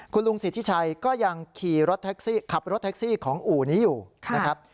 คุณลุงสิทธิชัยก็ยังขับรถแท็กซี่ของอู่นี้อยู่นะครับ